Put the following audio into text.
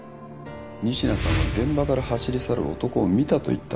仁科さんは現場から走り去る男を見たと言った。